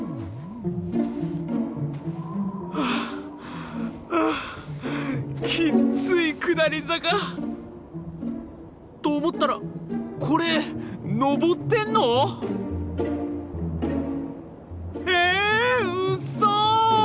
ハァハァきっつい下り坂！と思ったらこれのぼってんの？えウッソ！